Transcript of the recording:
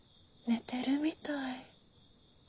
寝てるみたい。